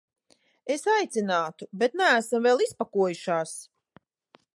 Es aicinātu, bet neesam vēl izpakojušās.